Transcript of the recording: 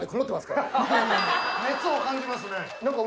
熱を感じますね。